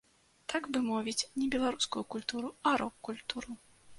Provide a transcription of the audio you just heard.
Так бы мовіць, не беларускую культуру, а рок-культуру.